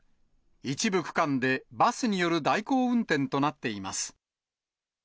一部区間で、バスによる代行運転となっています。